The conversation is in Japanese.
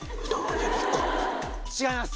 違います。